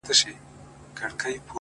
څنگه دي زړه څخه بهر وباسم ـ